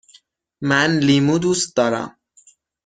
من لیمو دوست دارم.